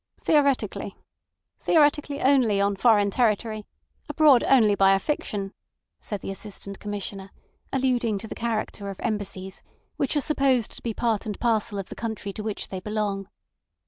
"Theoretically. Theoretically only, on foreign territory; abroad only by a fiction," said the Assistant Commissioner, alluding to the character of Embassies, which are supposed to be part and parcel of the country to which they belong.